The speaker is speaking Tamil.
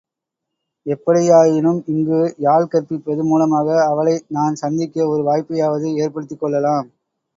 எப்படியாயினும் இங்கு யாழ் கற்பிப்பது மூலமாக அவளை நான் சந்திக்க ஒரு வாய்ப்பையாவது ஏற்படுத்திக் கொள்ளலாம்.